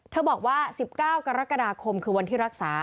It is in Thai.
บอกว่า๑๙กรกฎาคมคือวันที่รักษา